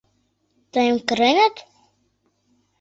— Тыйым кыреныт?